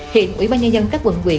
hiện ủy ban nhà dân các quận quyền